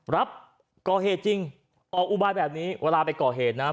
รับก่อเหตุจริงออกอุบายแบบนี้เวลาไปก่อเหตุนะ